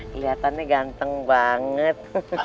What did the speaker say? keliatannya ganteng banget